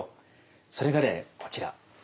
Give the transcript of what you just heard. それがねこちら。